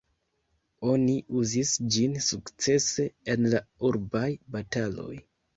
Oni uzis ĝin sukcese en la urbaj bataloj.